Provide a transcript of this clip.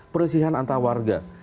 perselisihan antar warga